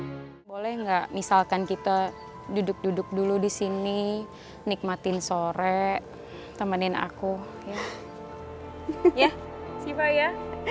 hai boleh nggak misalkan kita duduk duduk dulu di sini nikmatin sore temenin aku ya